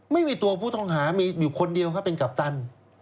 ไม่มีตัวผู้ต้องหามีอยู่คนเดียวครับเป็นกัปตัน